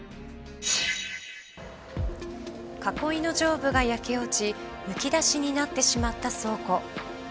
囲いの上部が焼け落ちむき出しになってしまった倉庫。